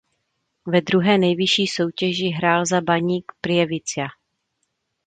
Ve druhé nejvyšší soutěži hrál za Baník Prievidza.